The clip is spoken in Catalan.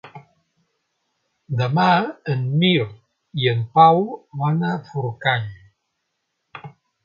Demà en Mirt i en Pau van a Forcall.